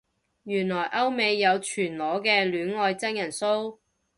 原來歐美有全裸嘅戀愛真人騷